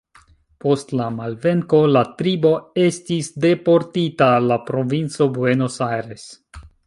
Post la malvenko la tribo estis deportita al la provinco Buenos Aires.